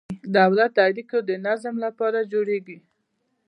دولت د اړیکو د نظم لپاره جوړیږي.